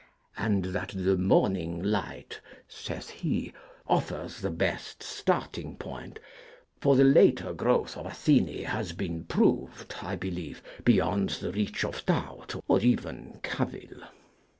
'And that the morning light,' saith he, 'offers the best starting point; for the later growth of Athene has been proved, I believe, beyond the reach of doubt or even cavil.'